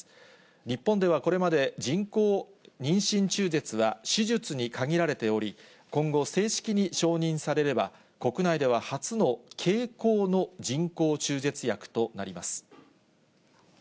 日本ではこれまで人工妊娠中絶は手術に限られており、今後、正式に承認されれば、国内では初の経口の人工中絶薬となります。